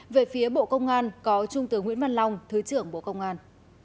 về phía bộ công an có trung tướng nguyễn văn long thứ trưởng bộ công an